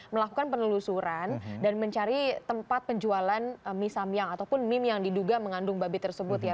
melakukan penelusuran dan mencari tempat penjualan mie samyang ataupun mie yang diduga mengandung babi tersebut ya